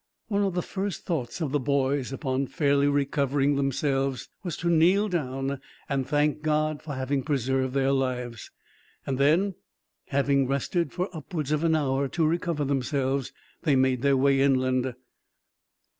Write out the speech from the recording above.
One of the first thoughts of the boys, upon fairly recovering themselves, was to kneel down and thank God for having preserved their lives; and then, having rested for upwards of an hour, to recover themselves, they made their way inland.